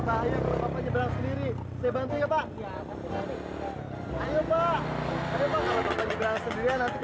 bahaya kalau bapak jebrang sendiri